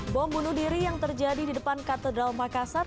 bom bunuh diri yang terjadi di depan katedral makassar